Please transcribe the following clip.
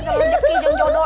jangan rezeki jangan jodoh